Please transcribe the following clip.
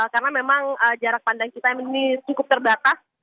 karena memang jarak pandang kita ini cukup terbatas